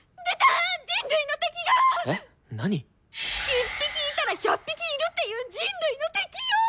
１匹いたら１００匹いるっていう人類の敵よ！